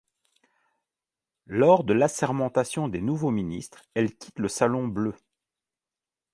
Lors de l'assermentation des nouveaux ministres, elle quitte le Salon bleu.